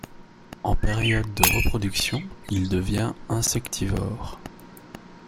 En période de reproduction, il devient insectivore.